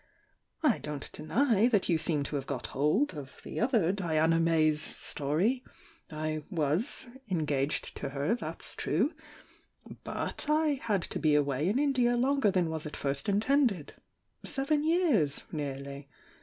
I don't deny that you seem to have got hold of the other Diana May's story — I was engaged to her, that's true — but I had to be away in India longer than was at first intended — seven years nearly.